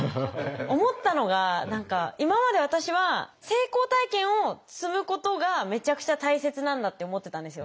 思ったのが今まで私は成功体験を積むことがめちゃくちゃ大切なんだって思ってたんですよ。